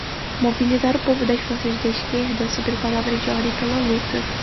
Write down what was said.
mobilizar o povo das forças de esquerda sob a palavra de ordem pela luta